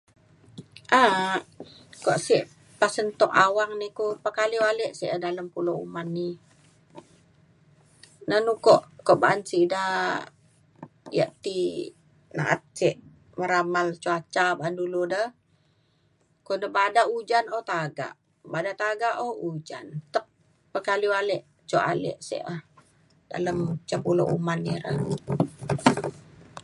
a’ak kuak sek pasen tuk awang ni ku pekaliu ale sek dalem pulo uman ni. na na ukok ko ba’an sida yak ti na’at ce meramal cuaca ba’an dulu de ko de bada ujan o tagak bada tagak o ujan. atek pekaliu ale jok ale sek um dalem ca pulo uman ni re